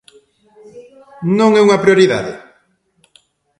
Non é unha prioridade?